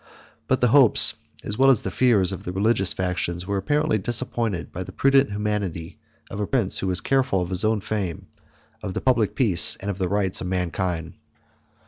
But the hopes, as well as the fears, of the religious factions were apparently disappointed, by the prudent humanity of a prince, 33 who was careful of his own fame, of the public peace, and of the rights of mankind.